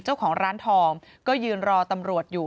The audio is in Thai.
เจ้าของร้านทองก็ยืนรอตำรวจอยู่